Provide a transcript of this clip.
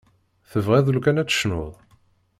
Tebɣiḍ lukan ad tecnuḍ?